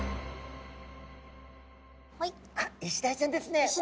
あイシダイちゃんですね。